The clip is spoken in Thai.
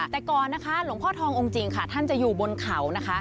แต่ก่อนนะคะหลวงพ่อทององค์จริงค่ะท่านจะอยู่บนเขานะคะ